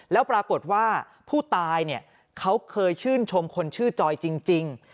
แล้วปรากฏว่าผู้ตายเนี่ยเขาเคยชื่นชมคนชื่อจอยจริง